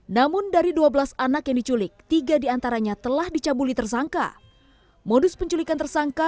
namun dari dua belas anak yang diculik tiga diantaranya telah dicabuli tersangka modus penculikan tersangka